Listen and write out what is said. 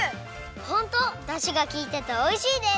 ホントだしがきいてておいしいです！